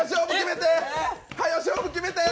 勝負決めて。